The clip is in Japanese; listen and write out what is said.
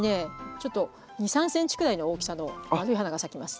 ちょっと２３ｃｍくらいの大きさの丸い花が咲きます。